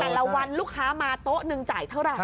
แต่ละวันลูกค้ามาโต๊ะหนึ่งจ่ายเท่าไหร่